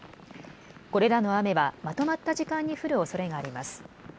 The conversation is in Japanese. これらの雨はまとまった時間に降るおそれがあります。